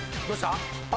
どうした？